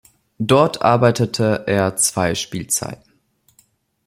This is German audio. Dort arbeitete er zwei Spielzeiten.